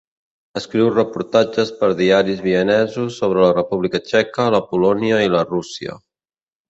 Escriu reportatges per diaris vienesos sobre la República Txeca, la Polònia i la Rússia.